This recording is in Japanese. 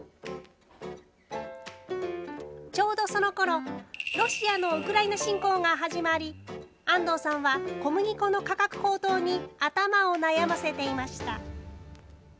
ちょうどそのころロシアのウクライナ侵攻が始まり安藤さんは小麦粉の価格高騰に頭を悩ませていました。